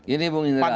ini mung indra